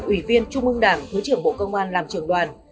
ủy viên trung mương đảng thứ trưởng bộ công an làm trưởng đoàn